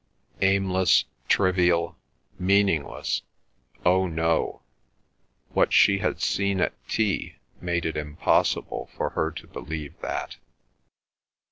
Aimless, trivial, meaningless, oh no—what she had seen at tea made it impossible for her to believe that.